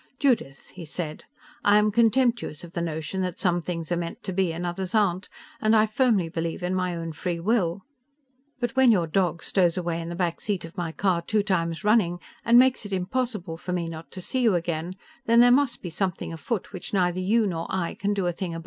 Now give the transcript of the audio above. "Judith," he said, "I am contemptuous of the notion that some things are meant to be and others aren't, and I firmly believe in my own free will; but when your dog stows away in the back seat of my car two times running and makes it impossible for me not to see you again, then there must be something afoot which neither you nor I can do a thing about.